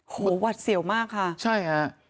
โอ้โหหวัดเสี่ยวมากค่ะใช่ฮะ